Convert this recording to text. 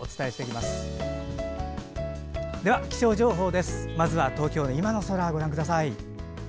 まずは東京の今の空をご覧ください。